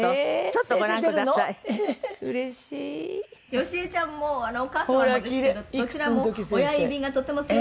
「好重ちゃんもお母様もですけどどちらも親指がとても強く」